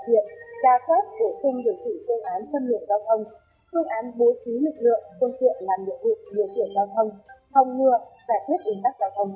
huyện ca sát phổ sinh giới thủy công án phân biệt giao thông